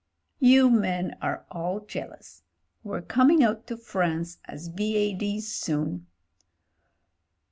"You men are all jealous. We're coming out to France as V.A.D.'s soon."